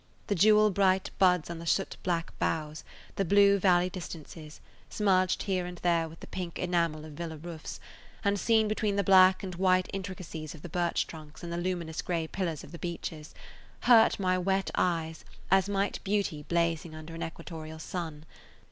The jewel bright buds on the soot black boughs, the blue valley distances, smudged here and there with the pink enamel of villa roofs, and seen between the black and white intricacies of the birch trunks and the luminous gray pillars of the beeches, hurt my wet eyes as might beauty blazing under an equatorial sun.